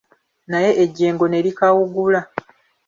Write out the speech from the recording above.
Naye ejeengo ne likawugula.